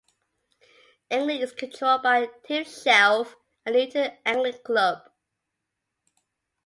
Angling is controlled by Tibshelf and Newton Angling Club.